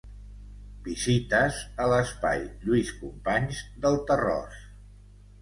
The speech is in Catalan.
Visites a l'Espai Lluís Companys del Tarròs.